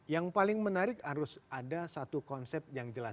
yang paling menarik harus ada satu konsep yang jelas